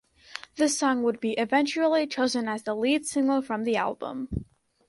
The song would be eventually chosen as the lead single from the album.